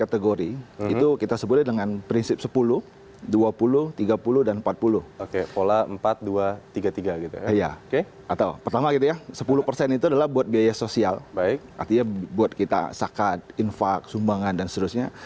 artinya buat kita sakat infak sumbangan dan seterusnya